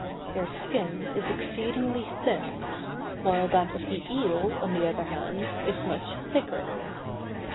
Their skin is exceedingly thin; while that of the eel, on the other hand, is much thicker.